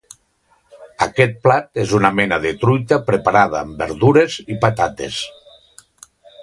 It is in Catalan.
Aquest plat és una mena de truita preparada amb verdures i patates.